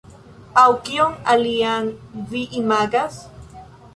Aŭ kion alian vi imagas?